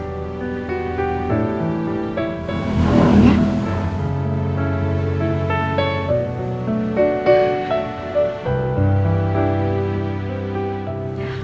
udah all set